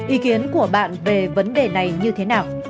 ý kiến của bạn về vấn đề này như thế nào